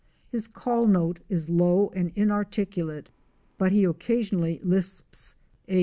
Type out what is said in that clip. His call note is low and inarticulate, but he occasionally lisps a.